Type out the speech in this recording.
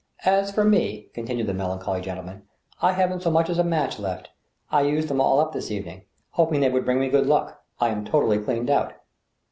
As for rae," continued the melancholy gentleman, I haven't so much as a match left ; I used them all up this evening — hoping they would bring me good luck. I am totally cleaned out."